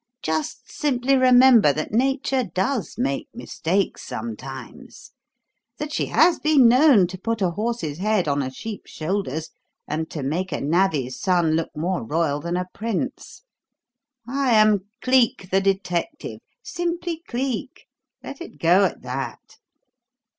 Just simply remember that Nature does make mistakes sometimes; that she has been known to put a horse's head on a sheep's shoulders and to make a navvy's son look more royal than a prince. I am Cleek, the detective simply Cleek. Let it go at that."